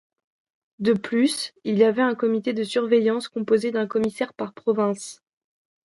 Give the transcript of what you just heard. De plus, il y avait un comité de surveillance composé d'un commissaire par province.